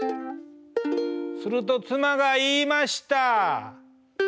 すると妻が言いました。